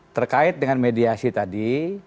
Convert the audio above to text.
terkait dengan mediasi tadi